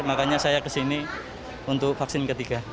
makanya saya kesini untuk vaksin ketiga